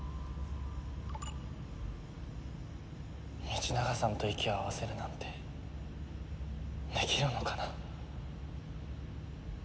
道長さんと息を合わせるなんてできるのかな。